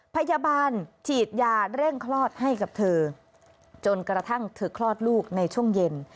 พยาบาลฉีดยาเร่งคลอดให้กับเธอจนกระทั่งเธอคลอดลูกในช่วงเย็น